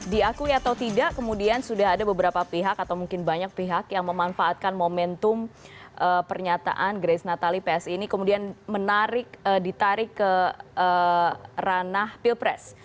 diakui atau tidak kemudian sudah ada beberapa pihak atau mungkin banyak pihak yang memanfaatkan momentum pernyataan grace natalie psi ini kemudian menarik ditarik ke ranah pilpres